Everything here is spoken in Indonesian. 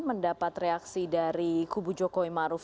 mendapat reaksi dari kubu jokowi maruf